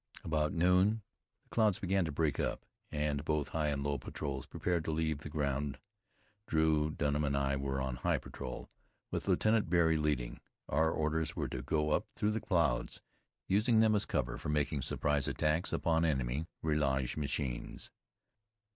About noon the clouds began to break up, and both high and low patrols prepared to leave the ground. Drew, Dunham, and I were on high patrol, with Lieutenant Barry leading. Our orders were to go up through the clouds, using them as cover for making surprise attacks upon enemy réglage machines.